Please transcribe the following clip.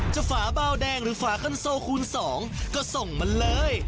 จะฝาบาวแดงหรือฝาก็นโซคูณสองก็ส่งมันเลย